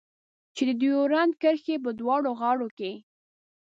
چې د ډيورنډ کرښې په دواړو غاړو کې.